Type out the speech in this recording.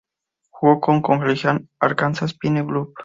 Jugó como colegial en Arkansas-Pine Bluff.